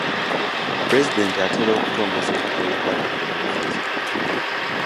Pulezidenti atera okutongoza ebitabo ebikwata ku by'obufuzi.